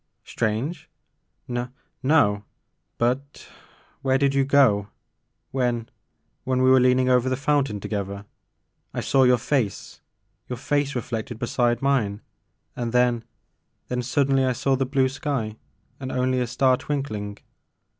"Strange? N — no — ^but— where did you go when — ^when we were leaning over the fountain together ? I saw your face, — ^your face reflected beside mine and then — then suddenly I saw the blue sky and only a star twinkling."